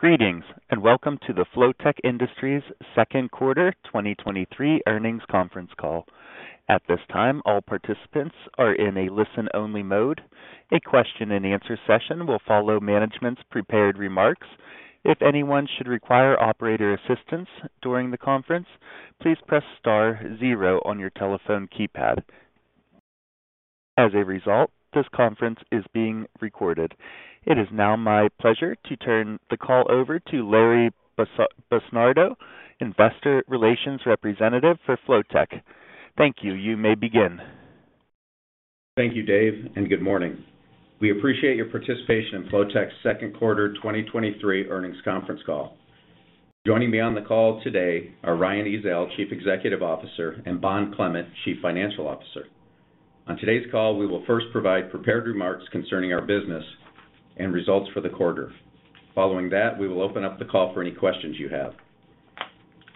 Greetings, welcome to the Flotek Industries second quarter 2023 earnings conference call. At this time, all participants are in a listen-only mode. A question-and-answer session will follow management's prepared remarks. If anyone should require operator assistance during the conference, please press star zero on your telephone keypad. As a result, this conference is being recorded. It is now my pleasure to turn the call over to Larry Busnardo, investor relations representative for Flotek. Thank you. You may begin. Thank you, Dave. Good morning. We appreciate your participation in Flotek's second quarter 2023 earnings conference call. Joining me on the call today are Ryan Ezell, Chief Executive Officer, and Bond Clement, Chief Financial Officer. On today's call, we will first provide prepared remarks concerning our business and results for the quarter. Following that, we will open up the call for any questions you have.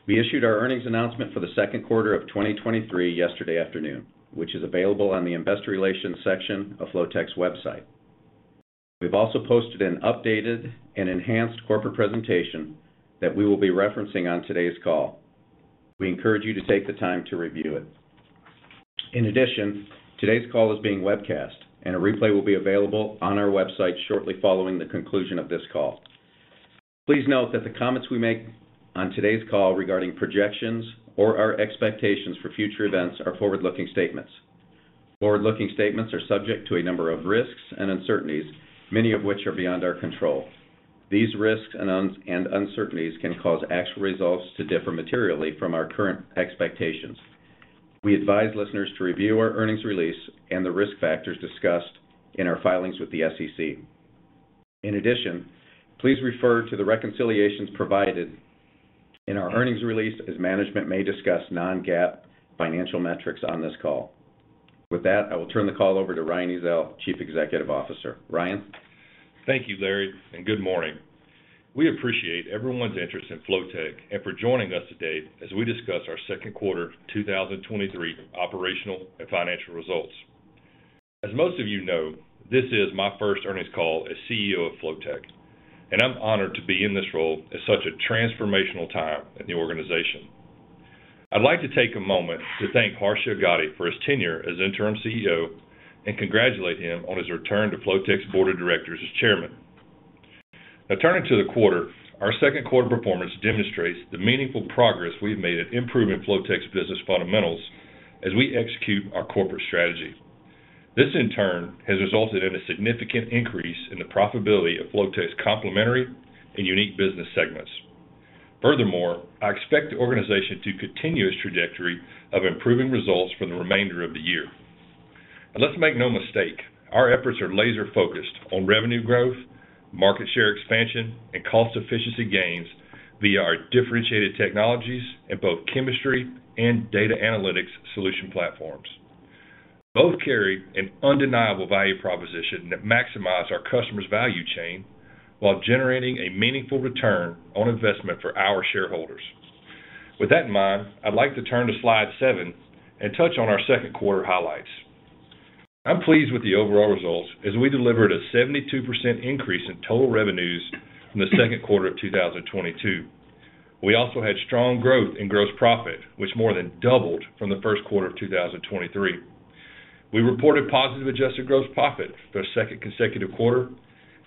We issued our earnings announcement for the second quarter of 2023 yesterday afternoon, which is available on the investor relations section of Flotek's website. We've also posted an updated and enhanced corporate presentation that we will be referencing on today's call. We encourage you to take the time to review it. In addition, today's call is being webcast, and a replay will be available on our website shortly following the conclusion of this call. Please note that the comments we make on today's call regarding projections or our expectations for future events are forward-looking statements. Forward-looking statements are subject to a number of risks and uncertainties, many of which are beyond our control. These risks and uncertainties can cause actual results to differ materially from our current expectations. We advise listeners to review our earnings release and the risk factors discussed in our filings with the SEC. In addition, please refer to the reconciliations provided in our earnings release, as management may discuss non-GAAP financial metrics on this call. With that, I will turn the call over to Ryan Ezell, Chief Executive Officer. Ryan? Thank you, Larry. Good morning. We appreciate everyone's interest in Flotek and for joining us today as we discuss our second quarter 2023 operational and financial results. As most of you know, this is my first earnings call as CEO of Flotek, and I'm honored to be in this role at such a transformational time in the organization. I'd like to take a moment to thank Harsha Agadi for his tenure as Interim CEO and congratulate him on his return to Flotek's Board of Directors as Chairman. Now, turning to the quarter, our second quarter performance demonstrates the meaningful progress we've made at improving Flotek's business fundamentals as we execute our corporate strategy. This, in turn, has resulted in a significant increase in the profitability of Flotek's complementary and unique business segments. Furthermore, I expect the organization to continue its trajectory of improving results for the remainder of the year. Let's make no mistake, our efforts are laser-focused on revenue growth, market share expansion, and cost efficiency gains via our differentiated technologies in both chemistry and data analytics solution platforms. Both carry an undeniable value proposition that maximize our customers' value chain while generating a meaningful ROI for our shareholders. With that in mind, I'd like to turn to slide 7 and touch on our second quarter highlights. I'm pleased with the overall results, as we delivered a 72% increase in total revenues from the second quarter of 2022. We also had strong growth in gross profit, which more than doubled from the first quarter of 2023. We reported positive adjusted gross profit for the second consecutive quarter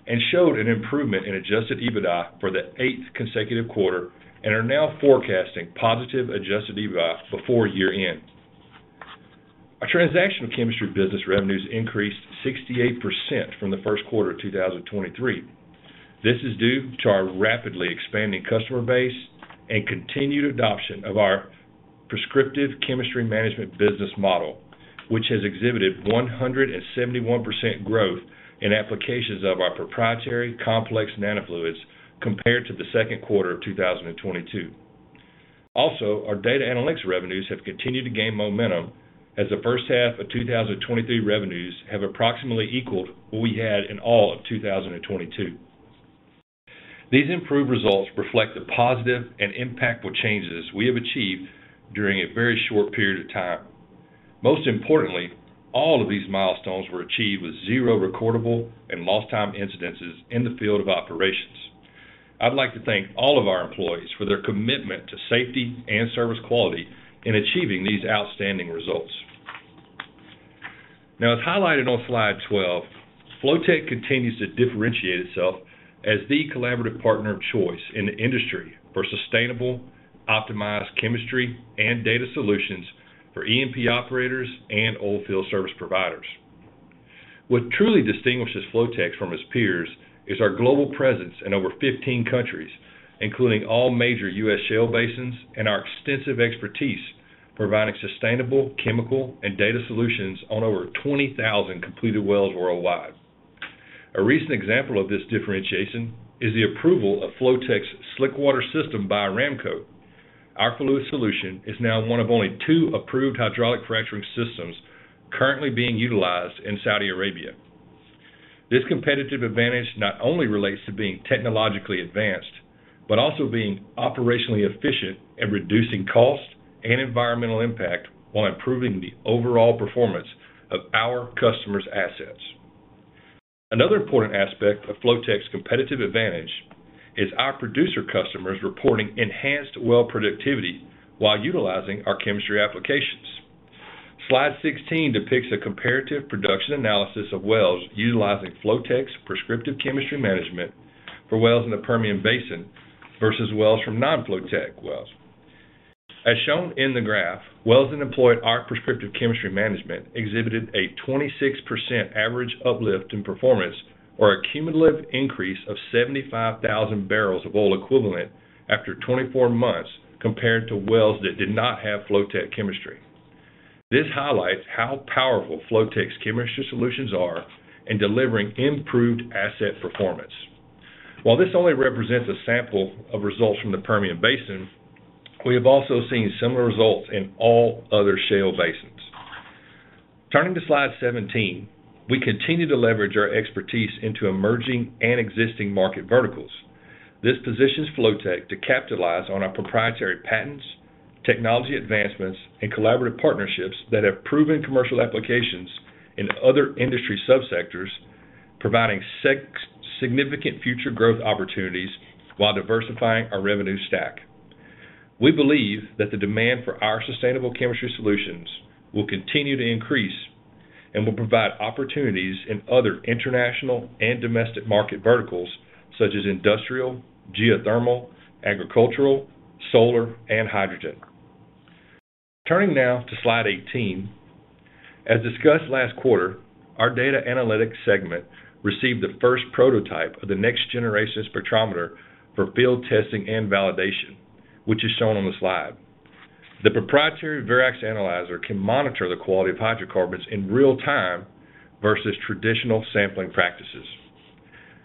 and showed an improvement in adjusted EBITDA for the eighth consecutive quarter and are now forecasting positive adjusted EBITDA before year-end. Our transactional chemistry business revenues increased 68% from the first quarter of 2023. This is due to our rapidly expanding customer base and continued adoption of our Prescriptive Chemistry Management business model, which has exhibited 171% growth in applications of our proprietary Complex nano Fluid compared to the second quarter of 2022. Our data analytics revenues have continued to gain momentum, as the first half of 2023 revenues have approximately equaled what we had in all of 2022. These improved results reflect the positive and impactful changes we have achieved during a very short period of time. Most importantly, all of these milestones were achieved with 0 recordable and lost time incidences in the field of operations. I'd like to thank all of our employees for their commitment to safety and service quality in achieving these outstanding results. Now, as highlighted on slide 12, Flotek continues to differentiate itself as the collaborative partner of choice in the industry for sustainable, optimized chemistry and data solutions for E&P operators and oil field service providers. What truly distinguishes Flotek from its peers is our global presence in over 15 countries, including all major U.S. shale basins, and our extensive expertise, providing sustainable chemical and data solutions on over 20,000 completed wells worldwide. A recent example of this differentiation is the approval of Flotek's slickwater system by Aramco. Our fluid solution is now one of only two approved hydraulic fracturing systems currently being utilized in Saudi Arabia. This competitive advantage not only relates to being technologically advanced but also being operationally efficient and reducing costs and environmental impact, while improving the overall performance of our customers' assets. Another important aspect of Flotek's competitive advantage is our producer customers reporting enhanced well productivity while utilizing our chemistry applications. Slide 16 depicts a comparative production analysis of wells utilizing Flotek's Prescriptive Chemistry Management for wells in the Permian Basin versus wells from non-Flotek wells. As shown in the graph, wells that employed our Prescriptive Chemistry Management exhibited a 26% average uplift in performance, or a cumulative increase of 75,000 barrels of oil equivalent after 24 months, compared to wells that did not have Flotek chemistry. This highlights how powerful Flotek's chemistry solutions are in delivering improved asset performance. While this only represents a sample of results from the Permian Basin, we have also seen similar results in all other shale basins. Turning to slide 17, we continue to leverage our expertise into emerging and existing market verticals. This positions Flotek to capitalize on our proprietary patents, technology advancements, and collaborative partnerships that have proven commercial applications in other industry subsectors, providing significant future growth opportunities while diversifying our revenue stack. We believe that the demand for our sustainable chemistry solutions will continue to increase and will provide opportunities in other international and domestic market verticals such as industrial, geothermal, agricultural, solar, and hydrogen. Turning now to slide 18. As discussed last quarter, our data analytics segment received the first prototype of the next generation spectrometer for field testing and validation, which is shown on the slide. The proprietary Verax analyzer can monitor the quality of hydrocarbons in real time versus traditional sampling practices.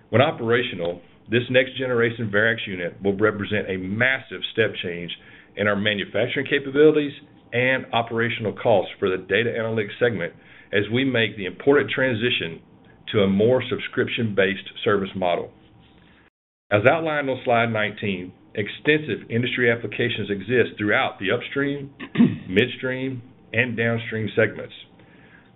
When operational, this next generation Verax unit will represent a massive step change in our manufacturing capabilities and operational costs for the data analytics segment, as we make the important transition to a more subscription-based service model. As outlined on slide 19, extensive industry applications exist throughout the upstream, midstream, and downstream segments.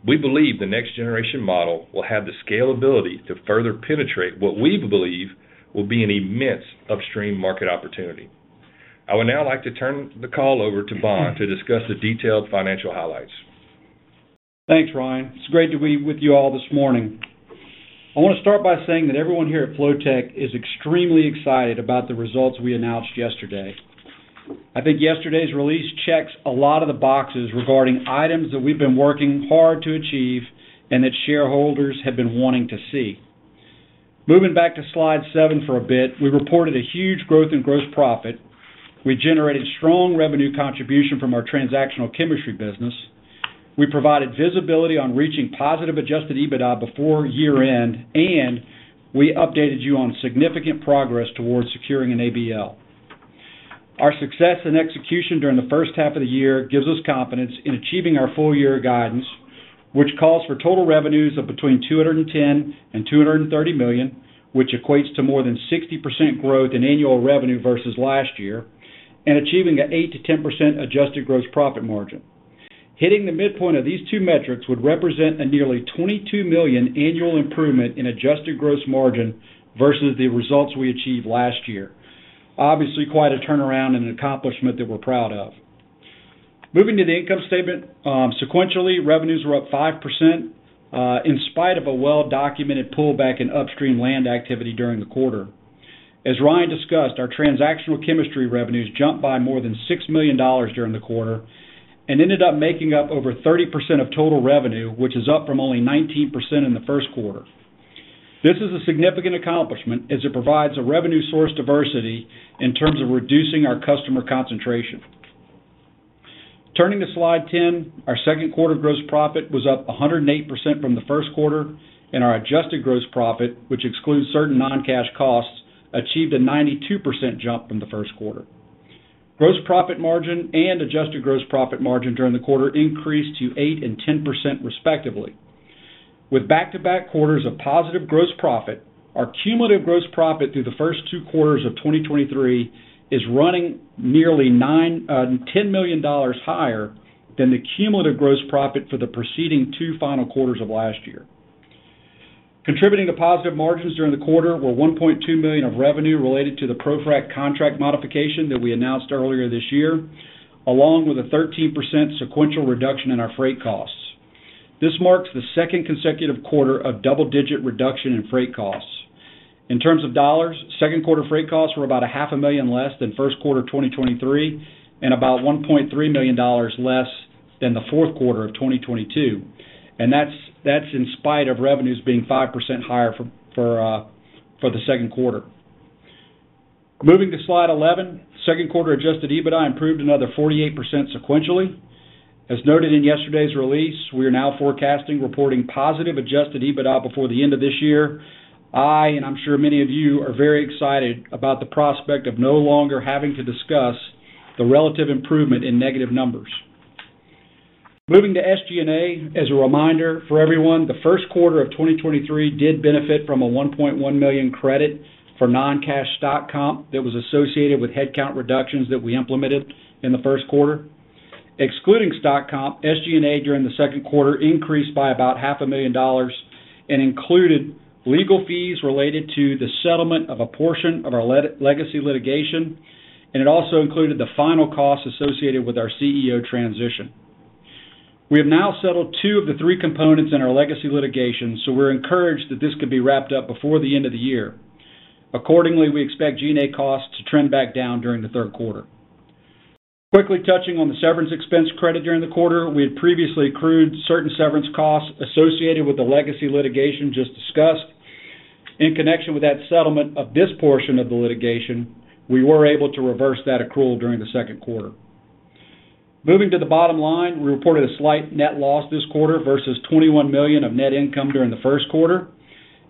We believe the next generation model will have the scalability to further penetrate what we believe will be an immense upstream market opportunity. I would now like to turn the call over to Bond to discuss the detailed financial highlights. Thanks, Ryan. It's great to be with you all this morning. I want to start by saying that everyone here at Flotek is extremely excited about the results we announced yesterday. I think yesterday's release checks a lot of the boxes regarding items that we've been working hard to achieve and that shareholders have been wanting to see. Moving back to slide seven for a bit, we reported a huge growth in gross profit. We generated strong revenue contribution from our transactional chemistry business. We provided visibility on reaching positive adjusted EBITDA before year-end, and we updated you on significant progress towards securing an ABL. Our success and execution during the first half of the year gives us confidence in achieving our full year guidance, which calls for total revenues of between $210 million and $230 million, which equates to more than 60% growth in annual revenue versus last year, and achieving an 8%-10% adjusted gross profit margin. Hitting the midpoint of these two metrics would represent a nearly $22 million annual improvement in adjusted gross margin versus the results we achieved last year. Obviously, quite a turnaround and an accomplishment that we're proud of. Moving to the income statement, sequentially, revenues were up 5% in spite of a well-documented pullback in upstream land activity during the quarter. As Ryan discussed, our transactional chemistry revenues jumped by more than $6 million during the quarter and ended up making up over 30% of total revenue, which is up from only 19% in the first quarter. This is a significant accomplishment as it provides a revenue source diversity in terms of reducing our customer concentration. Turning to slide 10, our second quarter gross profit was up 108% from the first quarter. Our adjusted gross profit, which excludes certain non-cash costs, achieved a 92% jump from the first quarter. Gross profit margin and adjusted gross profit margin during the quarter increased to 8% and 10%, respectively. With back-to-back quarters of positive gross profit, our cumulative gross profit through the first two quarters of 2023 is running nearly $10 million higher than the cumulative gross profit for the preceding two final quarters of last year. Contributing to positive margins during the quarter were $1.2 million of revenue related to the ProFrac contract modification that we announced earlier this year, along with a 13% sequential reduction in our freight costs. This marks the second consecutive quarter of double-digit reduction in freight costs. In terms of dollars, second quarter freight costs were about $500,000 less than first quarter 2023, and about $1.3 million less than the fourth quarter of 2022. That's, that's in spite of revenues being 5% higher for, for, for the second quarter. Moving to slide 11, second quarter adjusted EBITDA improved another 48% sequentially. As noted in yesterday's release, we are now forecasting reporting positive adjusted EBITDA before the end of this year. I, and I'm sure many of you, are very excited about the prospect of no longer having to discuss the relative improvement in negative numbers. Moving to SG&A, as a reminder for everyone, the first quarter of 2023 did benefit from a $1.1 million credit for non-cash stock comp that was associated with headcount reductions that we implemented in the first quarter. Excluding stock comp, SG&A during the second quarter increased by about $500,000 and included legal fees related to the settlement of a portion of our legacy litigation, and it also included the final costs associated with our CEO transition. We have now settled two of the three components in our legacy litigation, so we're encouraged that this could be wrapped up before the end of the year. Accordingly, we expect G&A costs to trend back down during the third quarter. Quickly touching on the severance expense credit during the quarter, we had previously accrued certain severance costs associated with the legacy litigation just discussed. In connection with that settlement of this portion of the litigation, we were able to reverse that accrual during the second quarter. Moving to the bottom line, we reported a slight net loss this quarter versus $21 million of net income during the first quarter.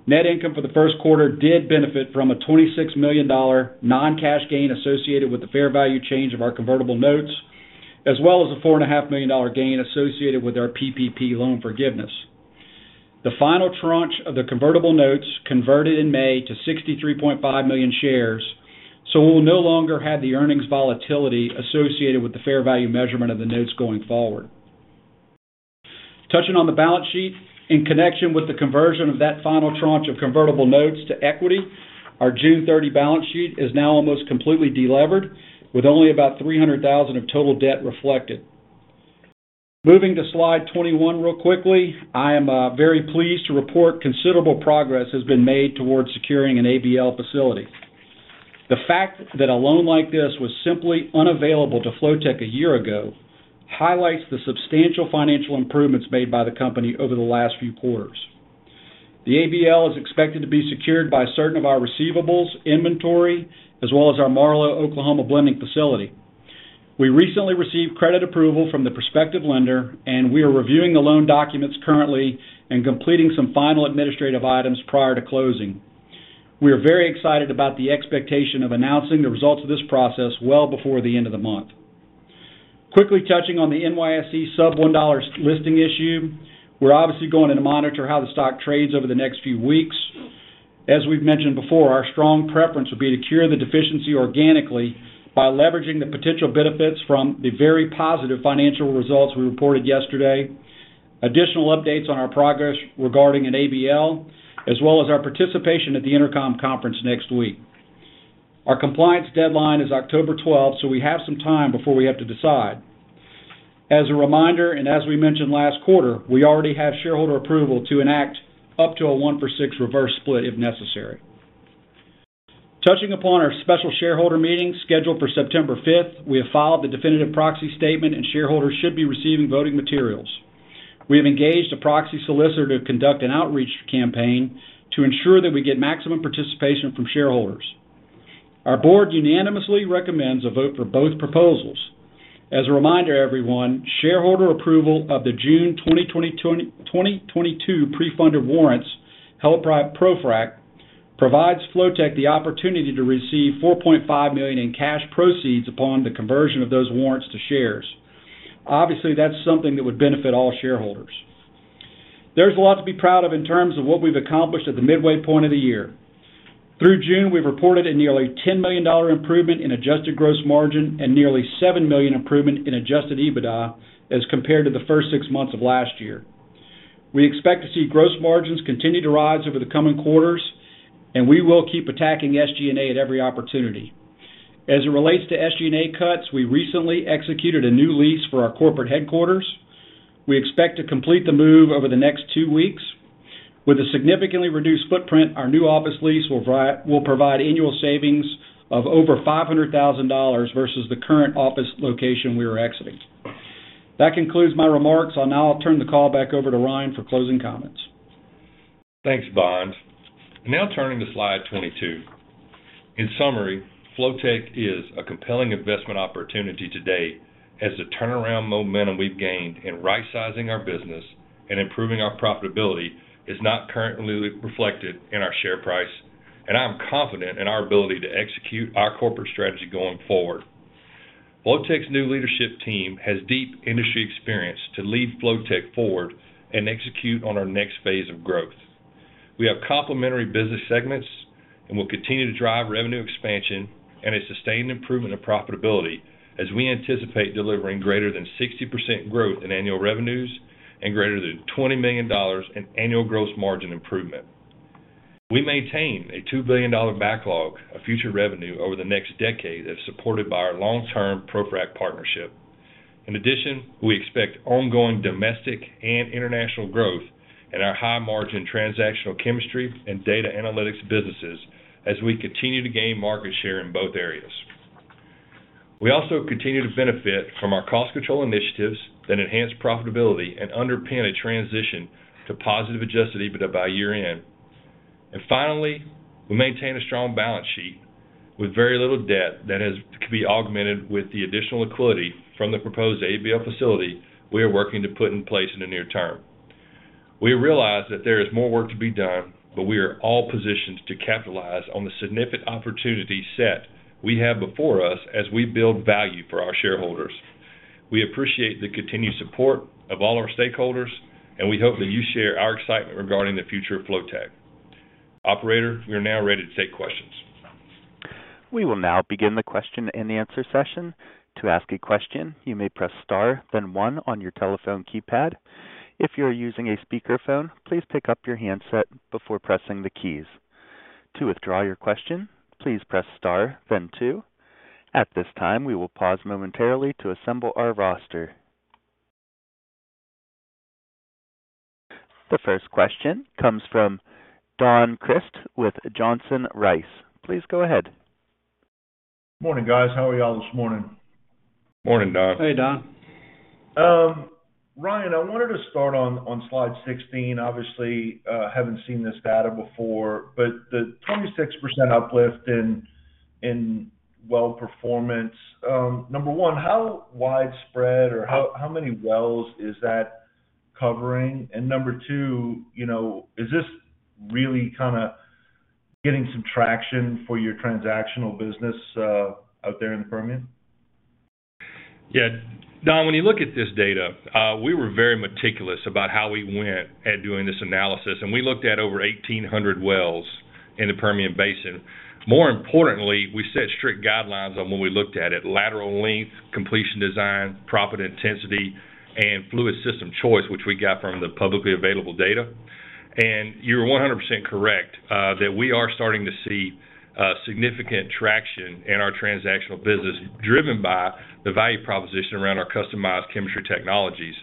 Net income for the first quarter did benefit from a $26 million non-cash gain associated with the fair value change of our convertible notes, as well as a $4.5 million gain associated with our PPP loan forgiveness. The final tranche of the convertible notes converted in May to 63.5 million shares. We'll no longer have the earnings volatility associated with the fair value measurement of the notes going forward. Touching on the balance sheet, in connection with the conversion of that final tranche of convertible notes to equity, our June 30 balance sheet is now almost completely delevered, with only about $300,000 of total debt reflected. Moving to slide 21 real quickly, I am very pleased to report considerable progress has been made towards securing an ABL facility. The fact that a loan like this was simply unavailable to Flotek a year ago, highlights the substantial financial improvements made by the company over the last few quarters. The ABL is expected to be secured by certain of our receivables, inventory, as well as our Marlow, Oklahoma, blending facility. We recently received credit approval from the prospective lender, and we are reviewing the loan documents currently and completing some final administrative items prior to closing. We are very excited about the expectation of announcing the results of this process well before the end of the month. Quickly touching on the NYSE sub $1 listing issue, we're obviously going to monitor how the stock trades over the next few weeks. As we've mentioned before, our strong preference would be to cure the deficiency organically by leveraging the potential benefits from the very positive financial results we reported yesterday. Additional updates on our progress regarding an ABL, as well as our participation at the EnerCom conference next week. Our compliance deadline is October 12, so we have some time before we have to decide. As a reminder, and as we mentioned last quarter, we already have shareholder approval to enact up to a one for six reverse split, if necessary. Touching upon our special shareholder meeting, scheduled for September 5th, we have filed the definitive proxy statement, and shareholders should be receiving voting materials. We have engaged a proxy solicitor to conduct an outreach campaign to ensure that we get maximum participation from shareholders. Our board unanimously recommends a vote for both proposals. As a reminder, everyone, shareholder approval of the June 2022 pre-funded warrants, held by ProFrac, provides Flotek the opportunity to receive $4.5 million in cash proceeds upon the conversion of those warrants to shares. Obviously, that's something that would benefit all shareholders. There's a lot to be proud of in terms of what we've accomplished at the midway point of the year. Through June, we've reported a nearly $10 million improvement in adjusted gross margin and nearly $7 million improvement in adjusted EBITDA as compared to the first six months of last year. We expect to see gross margins continue to rise over the coming quarters. We will keep attacking SG&A at every opportunity. As it relates to SG&A cuts, we recently executed a new lease for our corporate headquarters. We expect to complete the move over the next two weeks. With a significantly reduced footprint, our new office lease will provide annual savings of over $500,000 versus the current office location we are exiting. That concludes my remarks. I'll now turn the call back over to Ryan for closing comments. Thanks, Bond. Now turning to slide 22. In summary, Flotek is a compelling investment opportunity today as the turnaround momentum we've gained in right-sizing our business and improving our profitability is not currently reflected in our share price, and I'm confident in our ability to execute our corporate strategy going forward. Flotek's new leadership team has deep industry experience to lead Flotek forward and execute on its next phase of growth. We have complementary business segments and will continue to drive revenue expansion and a sustained improvement of profitability as we anticipate delivering greater than 60% growth in annual revenues and greater than $20 million in annual gross margin improvement. We maintain a $2 billion backlog of future revenue over the next decade that's supported by our long-term ProFrac partnership. In addition, we expect ongoing domestic and international growth at our high-margin transactional chemistry and data analytics businesses as we continue to gain market share in both areas. We also continue to benefit from our cost control initiatives that enhance profitability and underpin a transition to positive adjusted EBITDA by year-end. Finally, we maintain a strong balance sheet with very little debt that could be augmented with the additional liquidity from the proposed ABL facility we are working to put in place in the near term. We realize that there is more work to be done, but we are all positioned to capitalize on the significant opportunity set we have before us as we build value for our shareholders. We appreciate the continued support of all our stakeholders, and we hope that you share our excitement regarding the future of Flotek. Operator, we are now ready to take questions. We will now begin the question-and-answer session. To ask a question, you may press star, then one on your telephone keypad. If you are using a speakerphone, please pick up your handset before pressing the keys. To withdraw your question, please press star, then two. At this time, we will pause momentarily to assemble our roster. The first question comes from Don Crist with Johnson Rice. Please go ahead. Morning, guys. How are you all this morning? Morning, Don. Hey, Don. Ryan, I wanted to start on, on slide 16. Obviously, haven't seen this data before, but the 26% uplift in, in well performance, number one, how widespread or how, how many wells is that covering? Number two, you know, is this really kinda getting some traction for your transactional business, out there in the Permian? Yeah. Don, when you look at this data, we were very meticulous about how we went at doing this analysis, and we looked at over 1,800 wells in the Permian Basin. More importantly, we set strict guidelines on when we looked at it, lateral length, completion design, proppant intensity, and fluid system choice, which we got from the publicly available data. You're 100% correct that we are starting to see significant traction in our transactional business, driven by the value proposition around our customized chemistry technologies.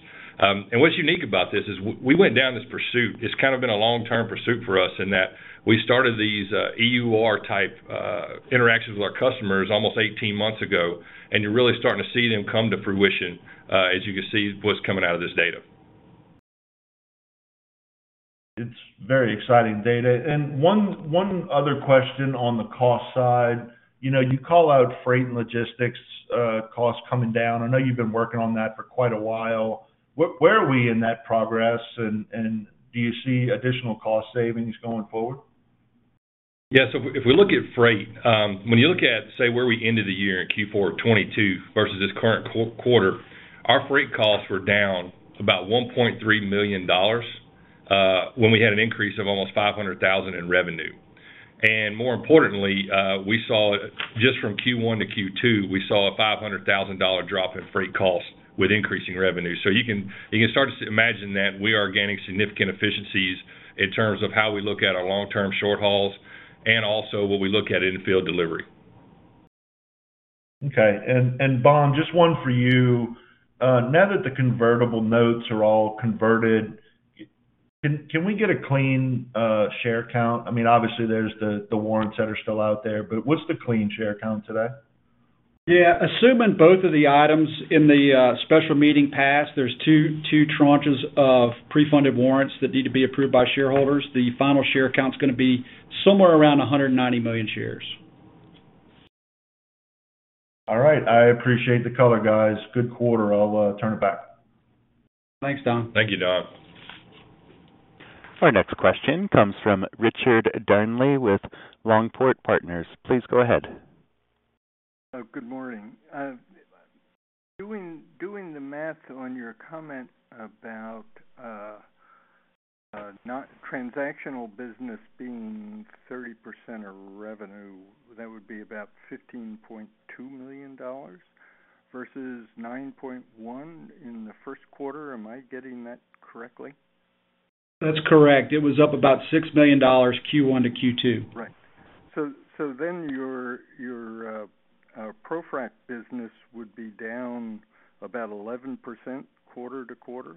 What's unique about this is we went down this pursuit. It's kind of been a long-term pursuit for us in that we started these, EUR-type, interactions with our customers almost 18 months ago, and you're really starting to see them come to fruition, as you can see what's coming out of this data. It's very exciting data. One, one other question on the cost side. You know, you call out freight and logistics costs coming down. I know you've been working on that for quite a while. Where, where are we in that progress, and, and do you see additional cost savings going forward? If, if we look at freight, when you look at, say, where we ended the year in Q4 of 2022 versus this current quarter, our freight costs were down about $1.3 million when we had an increase of almost $500,000 in revenue. More importantly, Just from Q1 to Q2, we saw a $500,000 drop in freight costs with increasing revenue. You can start to imagine that we are gaining significant efficiencies in terms of how we look at our long-term short hauls and also when we look at in-field delivery. Okay. Bond, just one for you. Now that the convertible notes are all converted, can we get a clean share count? I mean, obviously there's the warrants that are still out there, but what's the clean share count today? Yeah. Assuming both of the items in the special meeting pass, there's two tranches of pre-funded warrants that need to be approved by shareholders. The final share count is gonna be somewhere around 190 million shares. All right. I appreciate the color, guys. Good quarter. I'll turn it back. Thanks, Don. Thank you, Don. Our next question comes from Richard Dearnley with Longport Partners. Please go ahead. Good morning. Doing, doing the math on your comment about not transactional business being 30% of revenue, that would be about $15.2 million versus $9.1 in the first quarter. Am I getting that correctly? That's correct. It was up about $6 million, Q1 to Q2. Right. So, so then your, your, ProFrac business would be down about 11% quarter-to-quarter?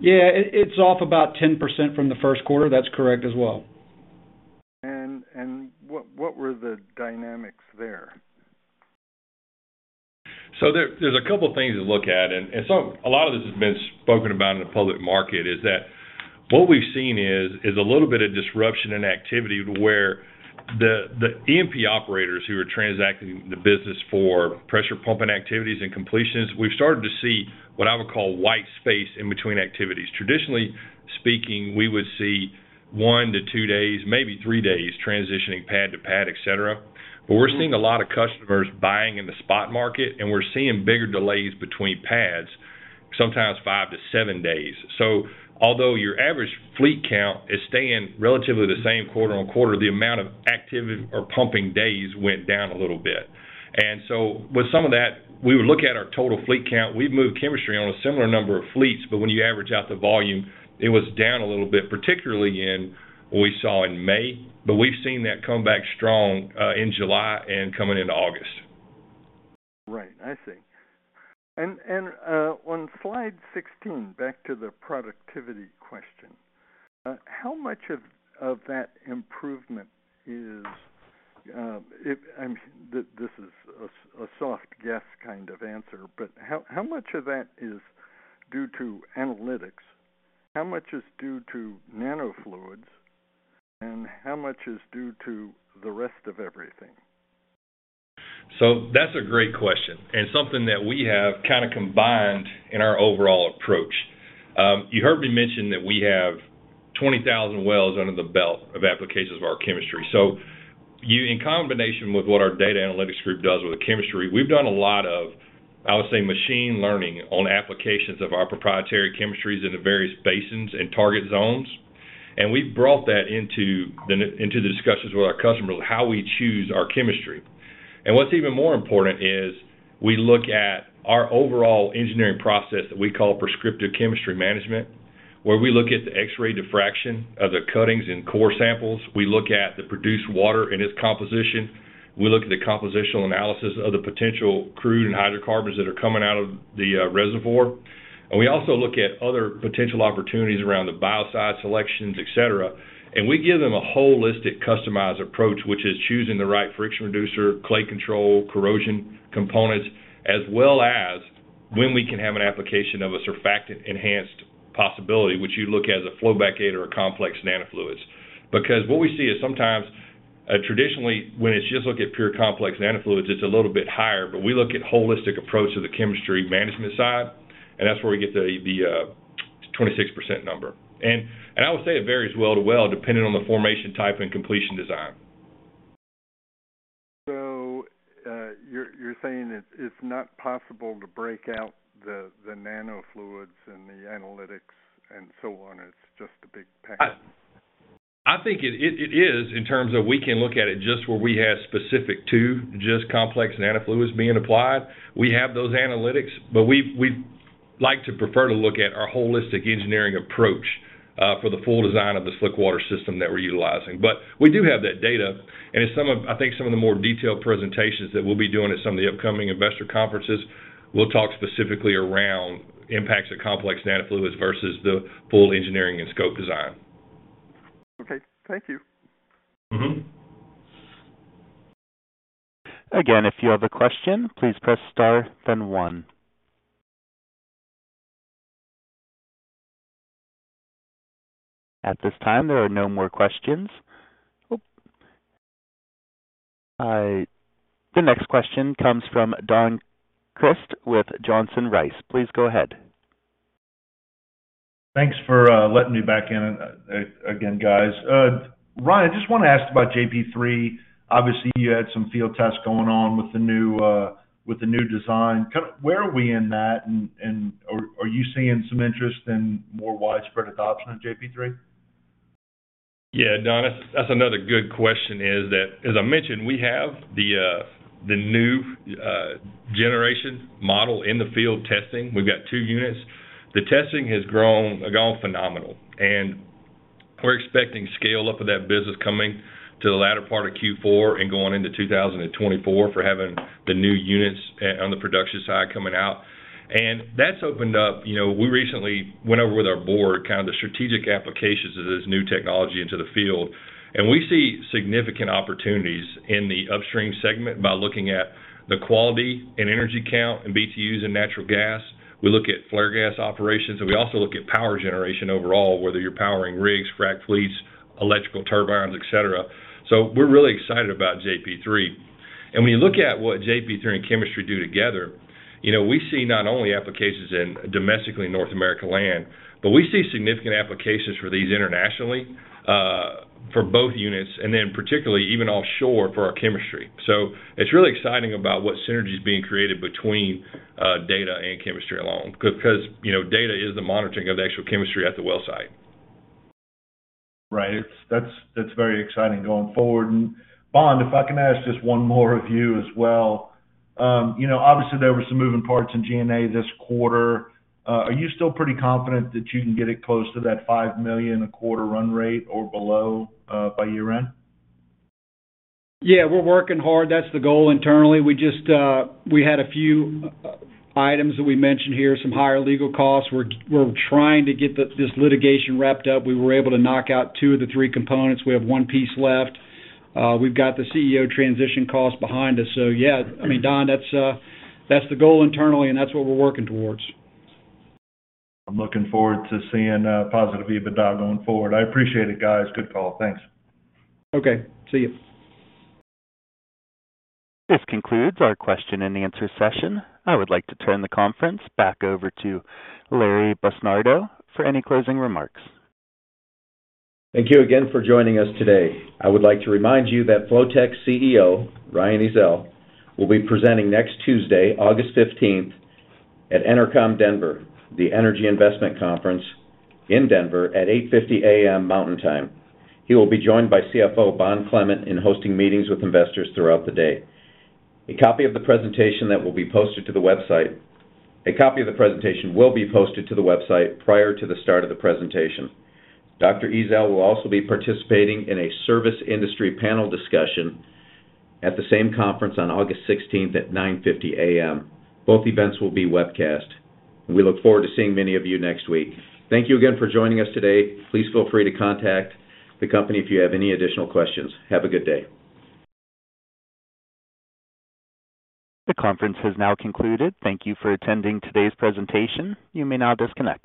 Yeah, it, it's off about 10% from the first quarter. That's correct as well. And what, what were the dynamics there? There, there's a couple things to look at, a lot of this has been spoken about in the public market, is that what we've seen is a little bit of disruption in activity where the E&P operators who are transacting the business for pressure pumping activities and completions, we've started to see what I would call white space in between activities. Traditionally speaking, we would see one to two days, maybe three days, transitioning pad to pad, etcetera. We're seeing a lot of customers buying in the spot market, and we're seeing bigger delays between pads, sometimes five to seven days. Although your average fleet count is staying relatively the same quarter-on-quarter, the amount of activity or pumping days went down a little bit. With some of that, we would look at our total fleet count. We've moved chemistry on a similar number of fleets, but when you average out the volume, it was down a little bit, particularly in what we saw in May, but we've seen that come back strong in July and coming into August. Right. I see. On slide 16, back to the productivity question, how much of that improvement is, I mean, this is a, a soft guess kind of answer, but how, how much of that is due to analytics? How much is due to nanofluids, and how much is due to the rest of everything? That's a great question and something that we have kind of combined in our overall approach. You heard me mention that we have 20,000 wells under the belt of applications of our chemistry. In combination with what our data analytics group does with the chemistry, we've done a lot of, I would say, machine learning on applications of our proprietary chemistries into various basins and target zones. We've brought that into the, into the discussions with our customers, how we choose our chemistry. What's even more important is we look at our overall engineering process that we call Prescriptive Chemistry Management, where we look at the X-ray diffraction of the cuttings and core samples. We look at the produced water and its composition. We look at the compositional analysis of the potential crude and hydrocarbons that are coming out of the reservoir. We also look at other potential opportunities around the biocide selections, et cetera. We give them a holistic, customized approach, which is choosing the right friction reducer, clay control, corrosion components, as well as when we can have an application of a surfactant-enhanced possibility, which you look at as a flowback aid or a Complex nano Fluid. Because what we see is sometimes, traditionally, when it's just look at pure Complex nano Fluid, it's a little bit higher. We look at holistic approach to the chemistry management side, and that's where we get the, the 26% number. I would say it varies well to well, depending on the formation type and completion design. You're, you're saying it's, it's not possible to break out the, the nano Fluids and the analytics and so on, it's just a big pack? I think it is in terms of we can look at it just where we have specific to just Complex nano Fluid being applied. We have those analytics, but we've, we like to prefer to look at our holistic engineering approach for the full design of the slickwater system that we're utilizing. We do have that data, and in some of I think some of the more detailed presentations that we'll be doing at some of the upcoming investor conferences, we'll talk specifically around impacts of Complex nano Fluid versus the full engineering and scope design. Okay. Thank you. Mm-hmm. Again, if you have a question, please press star, then one. At this time, there are no more questions. Oh, the next question comes from Don Crist with Johnson Rice. Please go ahead. Thanks for letting me back in again, guys. Ryan, I just want to ask about JP3. Obviously, you had some field tests going on with the new with the new design. Where are we in that, and are you seeing some interest in more widespread adoption of JP3? Yeah, Don, that's, that's another good question, is that, as I mentioned, we have the new generation model in the field testing. We've got two units. The testing has grown, gone phenomenal, and we're expecting scale up of that business coming to the latter part of Q4 and going into 2024 for having the new units on the production side coming out. That's opened up... You know, we recently went over with our board, kind of the strategic applications of this new technology into the field, and we see significant opportunities in the upstream segment by looking at the quality and energy count and BTUs in natural gas. We look at flare gas operations, and we also look at power generation overall, whether you're powering rigs, fracked fleets, electrical turbines, et cetera. We're really excited about JP3. When you look at what JP3 and chemistry do together, you know, we see not only applications in domestically in North America land, but we see significant applications for these internationally for both units and then particularly even offshore for our chemistry. It's really exciting about what synergy is being created between data and chemistry along, because, you know, data is the monitoring of the actual chemistry at the well site. Right. That's, that's very exciting going forward. Bond, if I can ask just one more of you as well. You know, obviously, there were some moving parts in G&A this quarter. Are you still pretty confident that you can get it close to that $5 million a quarter run rate or below, by year-end? Yeah, we're working hard. That's the goal internally. We just, we had a few items that we mentioned here, some higher legal costs. We're, we're trying to get this litigation wrapped up. We were able to knock out two of the three components. We have one piece left. We've got the CEO transition cost behind us, so yeah. I mean, Don, that's, that's the goal internally, and that's what we're working towards. I'm looking forward to seeing positive EBITDA going forward. I appreciate it, guys. Good call. Thanks. Okay, see you. This concludes our question and answer session. I would like to turn the conference back over to Larry Busnardo for any closing remarks. Thank you again for joining us today. I would like to remind you that Flotek's CEO, Ryan Ezell, will be presenting next Tuesday, August 15th, at EnerCom Denver, the Energy Investment Conference in Denver, at 8:50 A.M. Mountain Time. He will be joined by CFO Bond Clement in hosting meetings with investors throughout the day. A copy of the presentation will be posted to the website prior to the start of the presentation. Dr. Ezell will also be participating in a service industry panel discussion at the same conference on August 16th at 9:50 A.M. Both events will be webcast. We look forward to seeing many of you next week. Thank you again for joining us today. Please feel free to contact the company if you have any additional questions. Have a good day. The conference has now concluded. Thank you for attending today's presentation. You may now disconnect.